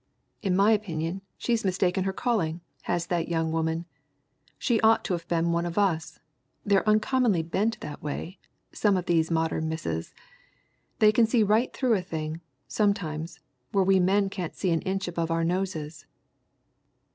In my opinion, she's mistaken her calling, has that young woman. She ought to have been one of us they're uncommonly bent that way, some of these modern misses they can see right through a thing, sometimes, where we men can't see an inch above our noses."